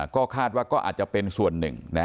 ก็คาดว่าก็อาจจะเป็นส่วนหนึ่ง